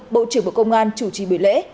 bộ trưởng bộ công an chủ trì bữa lễ